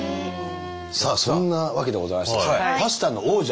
さあそんなわけでございましてパスタの王者